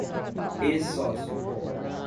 ex-sócio